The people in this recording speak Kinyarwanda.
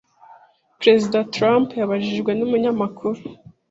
Perezida Trump yabajijwe n'umunyamakuru